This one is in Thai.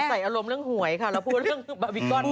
อย่าใส่อารมณ์เรื่องหวยค่ะแล้วพูดเรื่องบาบิกก็อนนี่